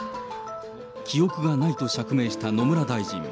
記憶がないと釈明した野村大臣。